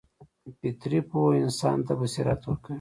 فطري پوهه انسان ته بصیرت ورکوي.